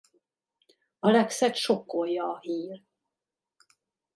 Alexet sokkolja a hír.